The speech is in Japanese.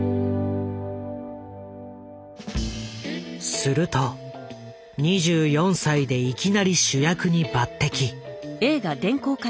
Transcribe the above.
すると２４歳でいきなり主役に抜擢。